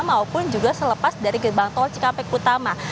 maupun juga selepas dari gerbang tol cikampek utama